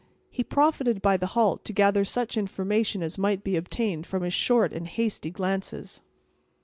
He profited by the halt, to gather such information as might be obtained from his short and hasty glances.